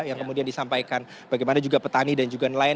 yang kemudian disampaikan bagaimana juga petani dan juga nelayan